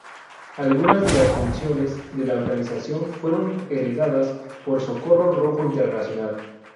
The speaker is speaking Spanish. Algunas de las funciones de la organización fueron heredadas por Socorro Rojo Internacional.